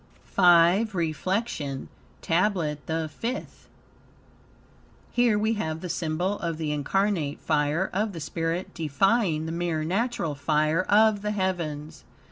V REFLECTION TABLET THE FIFTH Here we have the symbol of the incarnate fire of the spirit defying the mere natural fire of the heavens.